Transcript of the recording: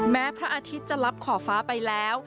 พระอาทิตย์จะรับขอบฟ้าไปแล้ว